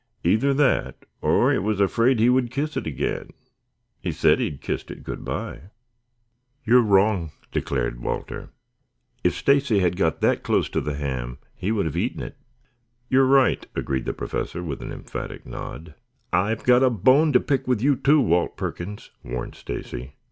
Either that or it was afraid he would kiss it again. He said he had kissed it good by." "You are wrong," declared Walter. "If Stacy had got that close to the ham he would have eaten it." "You're right," agreed the Professor with an emphatic nod. "I've got a bone to pick with you, too, Walt Perkins," warned Stacy.